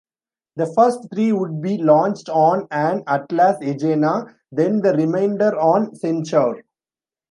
The first three would be launched on an Atlas-Agena, then the remainder on Centaur.